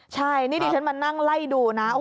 ใช่นี่ดิฉันมานั่งไล่ดูนะ